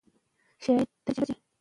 که ښځې ریسانې شي نو دفتر نه ګډوډیږي.